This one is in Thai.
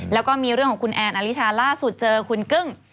แล้วก็มีเรื่องของคุณแอนอลิชาล่าสุดเจอคุณกึ้ง